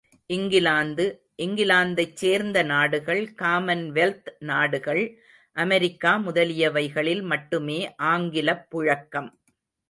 இங்கிலாந்து, இங்கிலாந்தைச் சேர்ந்த நாடுகள், காமன் வெல்த் நாடுகள் அமெரிக்கா முதலியவைகளில் மட்டுமே ஆங்கிலப் புழக்கம்!